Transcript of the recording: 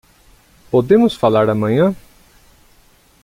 Podemos falar amanhã?